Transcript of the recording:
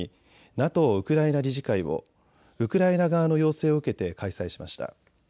ＮＡＴＯウクライナ理事会をウクライナ側の要請を受けて開催しました。